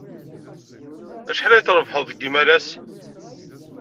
Acḥal ay trebbḥed deg yimalas?